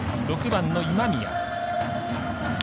６番の今宮。